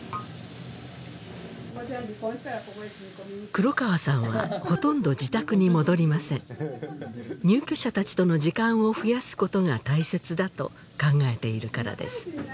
黒川さんはほとんど自宅に戻りません入居者たちとの時間を増やすことが大切だと考えているからです